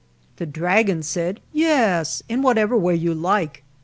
The dragon said, " Yes, in whatever way you like."